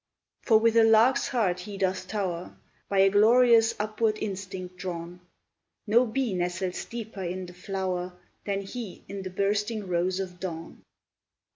For with a lark's heart he doth tower, By a glorious, upward instinct drawn; No bee nestles deeper in the flower Than he in the bursting rose of dawn.